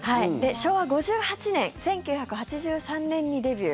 昭和５８年１９８３年にデビュー。